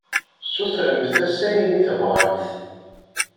Sutremt-as ayen i tebɣamt.